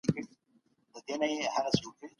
تاسو باید د سبزیجاتو د مینځلو لپاره پاکې اوبه وکاروئ.